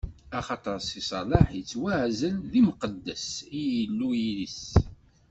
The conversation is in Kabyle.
Axaṭer Si Salaḥ ittwaɛzel d imqeddes i Yillu-is.